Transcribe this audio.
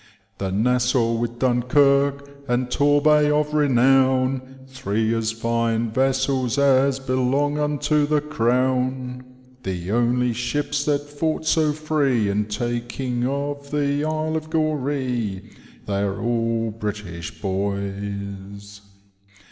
The NoisaUf with Dunkirk, and Torhaij of renown, Three as fine vessels as belong unto the crown ; The only ships that fought so free. In taking of the Isle of Goree, They are all British boys.